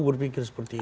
berpikir seperti itu